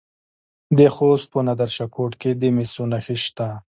د خوست په نادر شاه کوټ کې د مسو نښې شته.